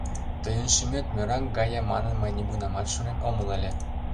— Тыйын шӱмет мераҥ гае манын мый нигунамат шонен омыл ыле.